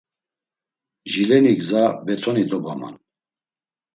Jileni gza, betoni dobaman.